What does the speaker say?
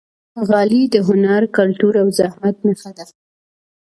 غالۍ د هنر، کلتور او زحمت نښه ده.